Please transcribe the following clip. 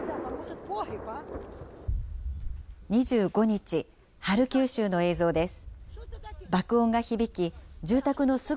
２５日、ハルキウ州の映像です。